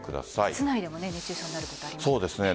室内でも熱中症になることありますからね。